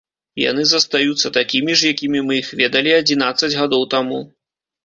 Яны застаюцца такімі ж, якімі мы іх ведалі адзінаццаць гадоў таму.